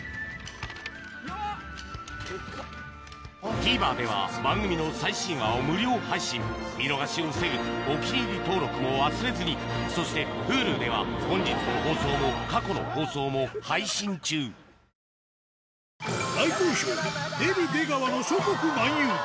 ・ＴＶｅｒでは番組の最新話を無料配信見逃しを防ぐ「お気に入り」登録も忘れずにそしてＨｕｌｕでは本日の放送も過去の放送も配信中納期は２週間後あぁ！！